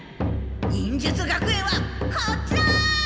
忍術学園はこっちだ！